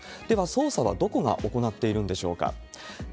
では、捜査はどこが行っているんでしょうか。